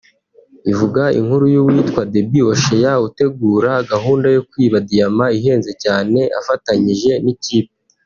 Ivuga inkuru y’uwitwa Debbie Ocean utegura gahunda yo kwiba diyama ihenze cyane afatanyije n’ikipe